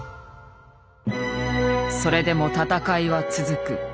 それでも戦いは続く。